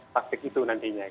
taktik itu nantinya